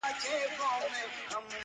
د لړم په څېر يې وار لکه مرگى وو،